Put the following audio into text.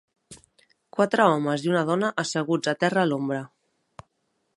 Quatre homes i una dona asseguts a terra a l'ombra.